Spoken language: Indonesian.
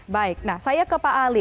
baik nah saya ke pak ali